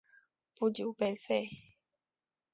不久被废。